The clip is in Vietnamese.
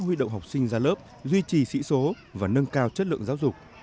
huy động học sinh ra lớp duy trì sĩ số và nâng cao chất lượng giáo dục